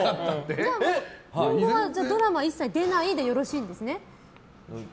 今後はドラマ一切出ないでよろしいんですね？